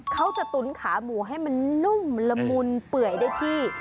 ตุ๋นขาหมูให้มันนุ่มละมุนเปื่อยได้ที่